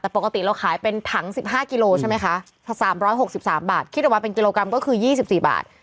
แต่ปกติเราขายเป็นถัง๑๕กิโลใช่ไหมคะ๓๖๓บาทคิดออกมาเป็นกิโลกรัมก็คือ๒๔บาท